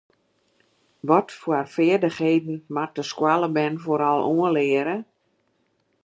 Watfoar feardichheden moat de skoalle bern foaral oanleare?